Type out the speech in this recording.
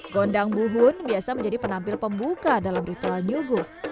gondang buhun biasa menjadi penampil pembuka dalam ritual nyuguh